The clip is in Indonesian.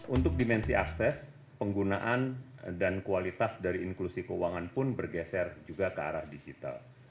untuk dimensi akses penggunaan dan kualitas dari inklusi keuangan pun bergeser juga ke arah digital